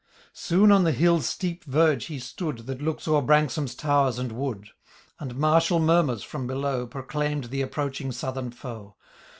Soon on the hill^s steep verge he stood. That looks o''er Branksome*s towers and wood t And martial murmurs, from below. Proclaimed the approaching southern foe.